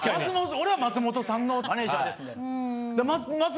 俺は松本さんのマネジャーですみたいな。